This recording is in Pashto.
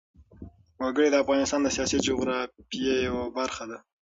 وګړي د افغانستان د سیاسي جغرافیه یوه برخه ده.